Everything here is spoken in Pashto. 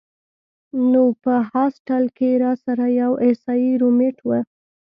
نو پۀ هاسټل کښې راسره يو عيسائي رومېټ وۀ